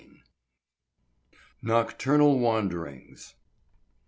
V. NOCTURNAL WANDERINGS.